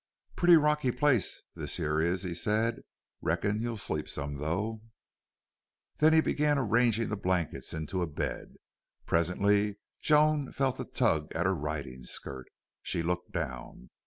"Pretty rocky place, this here is," he said. "Reckon you'll sleep some, though." Then he began arranging the blankets into a bed. Presently Joan felt a tug at her riding skirt. She looked down.